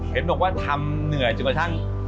เพ้ยบหนกว่าทำเหนื่อยจนกระตั้ง